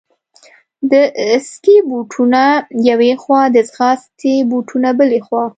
د سکې بوټونه یوې خوا، د ځغاستې بوټونه بلې خوا.